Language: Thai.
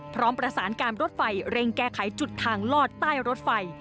พร้อมประสานการรถไฟเร่งแก้ไขจุดทางลอดใต้รถไฟ